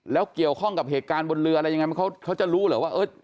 แล้วเกี่ยวข้องกับเหตุการณ์บนเรืออะไรยังไงเขาจะรู้เหรอว่า